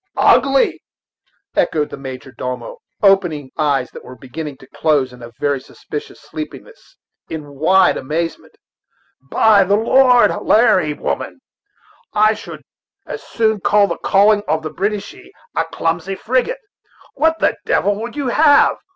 "Ugly!" echoed the major domo, opening eyes that were beginning to close in a very suspicious sleepiness, in wide amazement. "By the Lord Harry, woman, I should as soon think of calling the Boadishey a clumsy frigate. What the devil would you have?